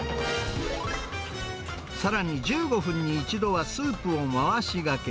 さらに１５分に一度はスープを回しがけ。